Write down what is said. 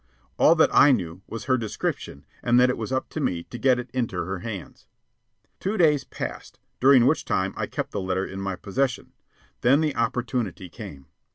All that I knew was her description, and that it was up to me to get it into her hands. Two days passed, during which time I kept the letter in my possession; then the opportunity came.